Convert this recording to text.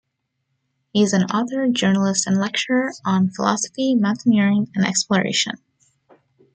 He is an author, journalist and lecturer on philosophy, mountaineering and exploration.